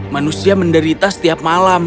manusia menderita setiap malam